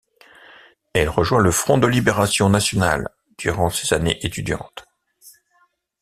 Elle rejoint le Front de libération nationale durant ses années étudiantes.